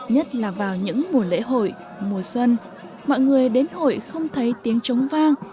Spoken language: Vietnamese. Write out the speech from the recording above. nhất là vào những mùa lễ hội mùa xuân mọi người đến hội không thấy tiếng trống vang